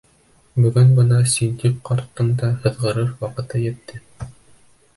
Бөгөн бына Ситдиҡ ҡарттың да «һыҙғырыр» ваҡыты етте.